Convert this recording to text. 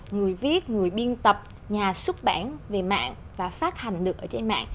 người viết người biên tập nhà xuất bản về mạng và phát hành được ở trên mạng